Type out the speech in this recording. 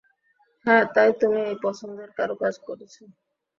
হ্যাঁ তাই তুমি এই প্রচ্ছদের কারুকাজ করেছো?